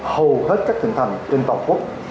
hầu hết các thịnh thành trên toàn quốc